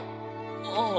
⁉ああ。